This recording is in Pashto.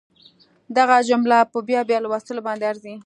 دغه جمله په بیا بیا لوستلو باندې ارزي